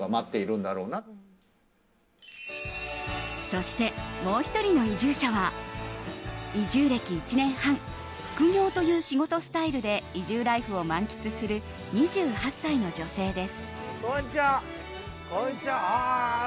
そして、もう１人の移住者は移住歴１年半複業という仕事スタイルで移住ライフを満喫する２８歳の女性です。